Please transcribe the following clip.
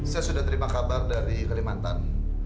saya sudah terima kabar dari kalimantan